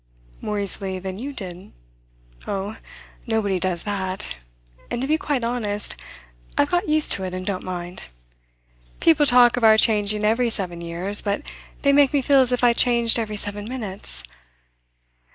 "More easily than you did? Oh, nobody does that; and, to be quite honest, I've got used to it and don't mind. People talk of our changing every seven years, but they make me feel as if I changed every seven minutes.